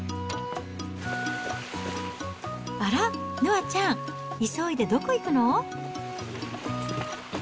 あちゃん、急いでどこ行くの？